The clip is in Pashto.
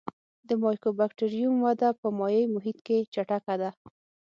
د مایکوبکټریوم وده په مایع محیط کې چټکه ده.